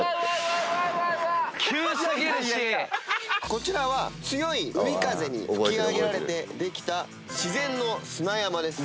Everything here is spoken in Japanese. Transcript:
こちらは強い海風に吹き上げられてできた自然の砂山です。